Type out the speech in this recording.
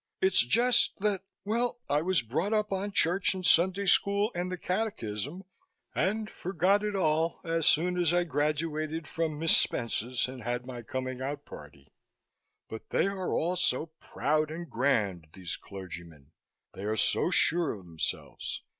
It's just that Well, I was brought up on church and Sunday School and the Catechism and forgot it all as soon as I graduated from Miss Spence's and had my coming out party. But they are all so proud and grand, these clergymen. They are so sure of themselves.